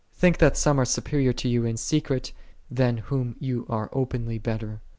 Think that some are supe rior to you in secret, than whom ye are open ly better.